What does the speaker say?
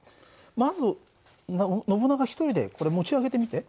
まずノブナガ一人でこれ持ち上げてみて。